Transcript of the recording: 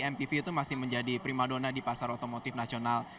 mpv itu masih menjadi prima dona di pasar otomotif nasional